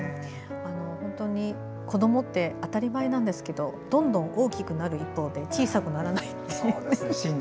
本当に子どもって当たり前なんですけどどんどん大きくなる一方で小さくならないんです。